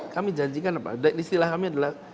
kami janjikan apa istilah kami adalah